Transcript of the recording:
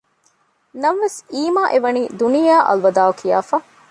ނަމަވެސް އީމާ އެވަނީ ދުނިޔެއާ އަލްވަދާޢު ކިޔާފަ